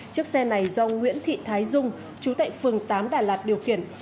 chiếc xe này do nguyễn thị thái dung trú tại phường tám tp đà lạt điều kiển